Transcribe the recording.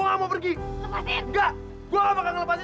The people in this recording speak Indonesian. lu mau kasih gue alasan apa lagi